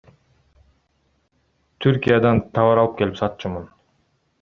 Түркиядан товар алып келип сатчумун.